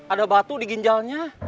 ada batu di ginjalnya